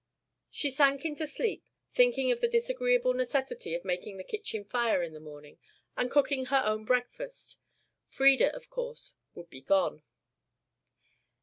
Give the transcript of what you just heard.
She sank into sleep, thinking of the disagreeable necessity of making the kitchen fire in the morning and cooking her own breakfast. Frieda of course would be gone.